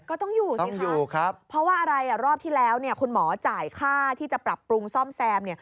ก็ต้องอยู่สิคะเพราะว่าอะไรรอบที่แล้วคุณหมอจ่ายค่าที่จะปรับปรุงซ่อมแซมเนี่ย